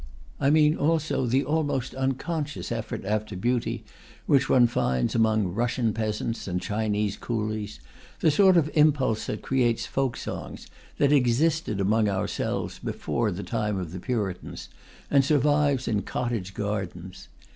I mean also the almost unconscious effort after beauty which one finds among Russian peasants and Chinese coolies, the sort of impulse that creates folk songs, that existed among ourselves before the time of the Puritans, and survives in cottage gardens.